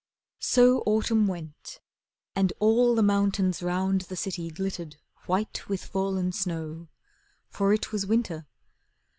So Autumn went, and all the mountains round The city glittered white with fallen snow, For it was Winter.